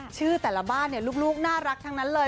ชื่อแต่ละบ้านลูกน่ารักทั้งนั้นเลย